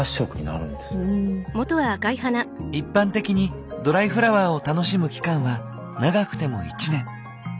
一般的にドライフラワーを楽しむ期間は長くても１年。